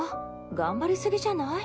頑張りすぎじゃない？